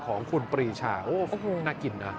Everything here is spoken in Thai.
ของคุณปรีชาโอ้น่ากินนะ